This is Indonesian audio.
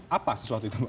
apa sesuatu itu pak